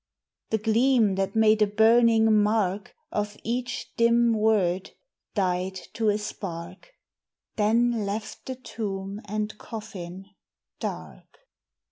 The gleam, that made a burning mark Of each dim word, died to a spark; Then left the tomb and coffin dark.